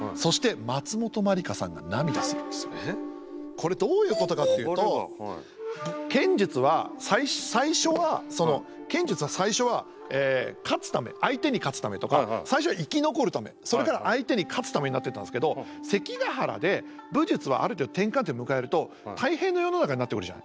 これどういうことかっていうと剣術は最初はその剣術の最初は勝つため相手に勝つためとか最初は生き残るためそれから相手に勝つためになってったんですけど関ヶ原で武術はある程度転換点を迎えると太平の世の中になってくるじゃない。